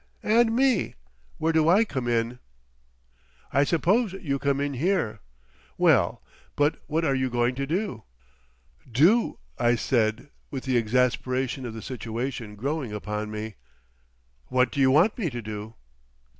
"And me? Where do I come in?" "I suppose you come in here." "Well, but what are you going to do?" "Do!" I said with the exasperation of the situation growing upon me. "What do you want me to do?"